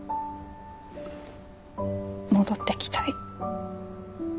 戻ってきたい。